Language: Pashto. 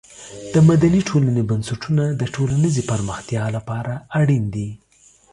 د مدني ټولنې بنسټونه د ټولنیزې پرمختیا لپاره اړین دي.